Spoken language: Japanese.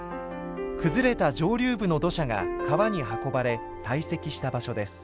崩れた上流部の土砂が川に運ばれ堆積した場所です。